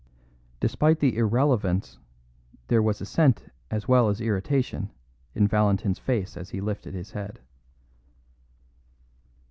Despite the irrelevance there was assent as well as irritation in Valentin's face as he lifted his head.